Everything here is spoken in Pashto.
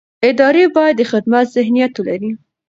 ادارې باید د خدمت ذهنیت ولري